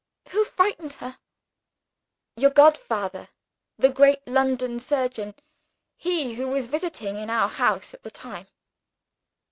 "Who frightened her?" "Your godfather the great London surgeon he who was visiting in our house at the time."